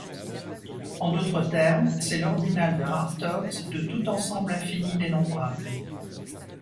En d'autres termes, c'est l'ordinal de Hartogs de tout ensemble infini dénombrable.